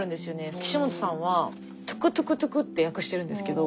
岸本さんは「トゥクトゥクトゥク！」って訳してるんですけど